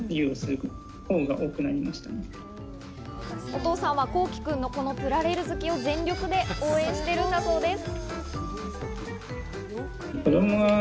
お父さんはこうきくんの、このプラレール好きを全力で応援しているんだそうです。